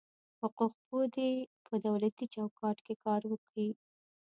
حقوق پوه دي په دولتي چوکاټ کي کار وکي.